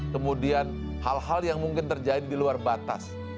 kemudian hal hal yang mungkin terjadi di luar batas